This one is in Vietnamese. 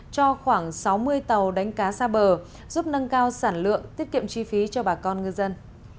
cho khoảng sáu mươi tàu đánh cá xa bờ giúp nâng cao sản lượng tiết kiệm chi phí cho bà con ngư dân